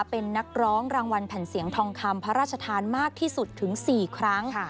เป็นนักร้องรางวัลแผ่นเสียงทองคำพระราชทานมากที่สุดถึง๔ครั้ง